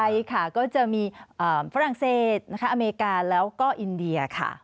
ใช่ค่ะก็จะมีฝรั่งเศสนะคะอเมริกาแล้วก็อินเดียค่ะ